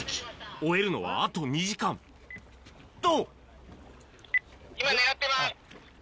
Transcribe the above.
追えるのはあと２時間。と。